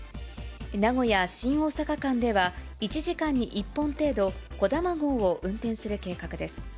名古屋・新大阪間では、１時間に１本程度、こだま号を運転する計画です。